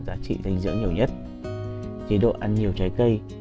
giá trị dinh dưỡng nhiều nhất chế độ ăn nhiều trái cây